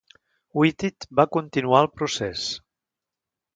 Whitted va continuar el procés.